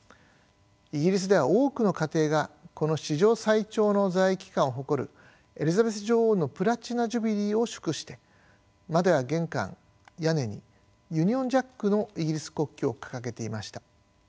イギリスでは多くの家庭がこの史上最長の在位期間を誇るエリザベス女王のプラチナ・ジュビリーを祝して窓や玄関屋根にユニオン・ジャックのイギリス国旗を掲げていました。